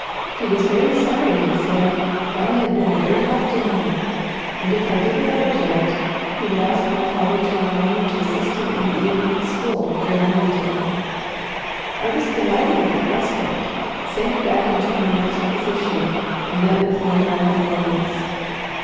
He was very sorry, he said, for I had been a great help to him; and if I did not object, he would ask my father to allow me to assist him in the evening school during the winter. I was delighted at the prospect, sank back into my natural position, and met with no more annoyance.